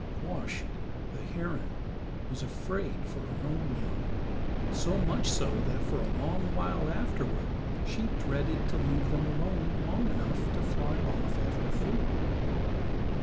Quoskh, the heron, was afraid for her own young, so much so that for a long while afterward she dreaded to leave them alone long enough to fly off after food.